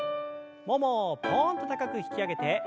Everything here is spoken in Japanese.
ももをぽんと高く引き上げて。